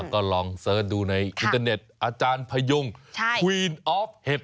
ก็ลองเสิร์ชดูในอินเตอร์เน็ตอาจารย์พยงควีนออฟเห็ด